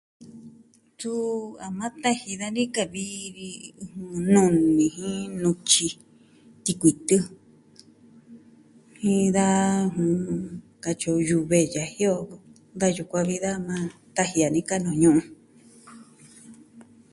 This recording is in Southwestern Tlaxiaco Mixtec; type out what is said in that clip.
Tun a maa taji dani ka vi... nuni jin nutyi, tikuitɨ jin da katyi o yuve yaji o. Da yukuan vi da maa taji dani ka nuu ñu'un.